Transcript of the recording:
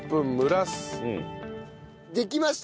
できました。